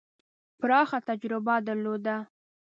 پراخه تجربه درلوده.